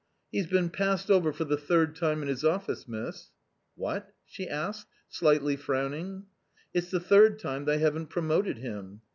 " He's been passed over for the third time in his office, miss." "What?" she asked, slightly frowning, u y It's the third time they haven't promoted him."